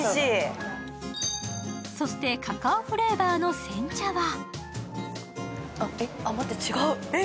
そしてカカオフレーバーの煎茶はえっ、待って、違う。